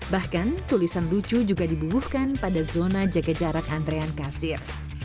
bahkan tulisan lucu juga dibubuhkan pada zona jaga jarak antrean kasir